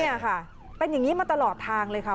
นี่ค่ะเป็นอย่างนี้มาตลอดทางเลยค่ะ